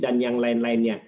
dan yang lain lainnya